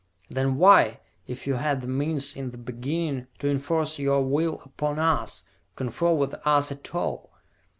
"Then why, if you had the means in the beginning to enforce your will upon us, confer with us at all?"